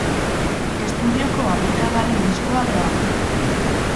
Estudioko hamaikagarren diskoa da hau.